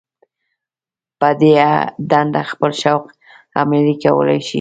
هغه په دې دنده خپل شوق عملي کولای شو.